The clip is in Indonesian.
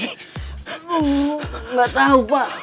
nggak tahu pak